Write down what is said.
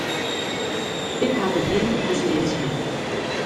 Ik ha der gjin beswier tsjin.